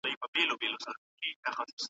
د ورځني ژوند مهالوېش جوړول څه ګټه لري؟